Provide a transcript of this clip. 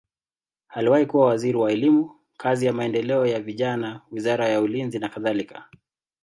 Aliwahi kuwa waziri wa elimu, kazi na maendeleo ya vijana, wizara ya ulinzi nakadhalika.